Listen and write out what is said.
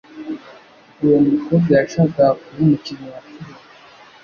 Uwo mukobwa yashakaga kuba umukinnyi wa firime.